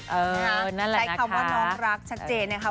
ใช้คำว่าน้องรักชัดเจนนะคะ